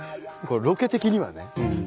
ロケ的にはね。